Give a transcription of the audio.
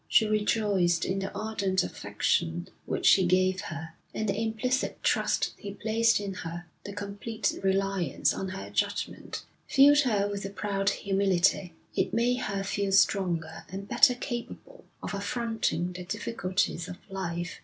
She rejoiced in the ardent affection which he gave her; and the implicit trust he placed in her, the complete reliance on her judgment, filled her with a proud humility. It made her feel stronger and better capable of affronting the difficulties of life.